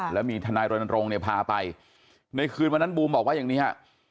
แล้วมีทนายรณรงค์เนี่ยพาไปในคืนวันนั้นบูมบอกว่าอย่างนี้ฮะ